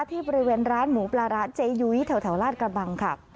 ที่บริเวณร้านหมูปลาร้าเจยุ้ยแถวลาดกระบังค่ะ